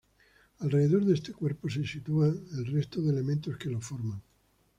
Alrededor de este cuerpo, se sitúan el resto de elementos que lo forman.